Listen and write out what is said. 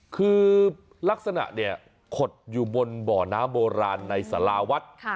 คือลักษณะขดอยู่บนหมอนามโบราณในสารวัตน์ค่ะ